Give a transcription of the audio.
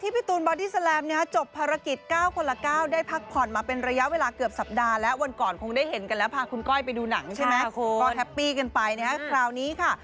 ไปดูหนังใช่ไหมก็แฮปปี้กันไปนะคราวนี้ค่ะ